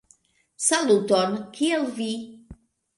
Saluton! Kiel vi?